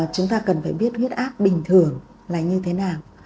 chúng ta cần phải biết huyết áp bình thường là như thế nào